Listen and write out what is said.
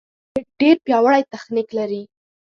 راکټ ډېر پیاوړی تخنیک لري